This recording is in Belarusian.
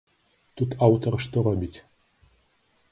Тут аўтар што робіць?